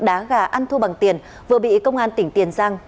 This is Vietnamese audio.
đá gà ăn thua bằng tiền vừa bị công an tỉnh tiền giang